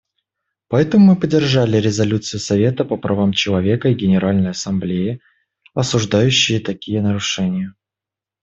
Поэтому мы поддержали резолюции Совета по правам человека и Генеральной Ассамблеи, осуждающие такие нарушения.